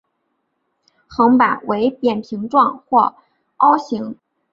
横板为扁平状或凹形。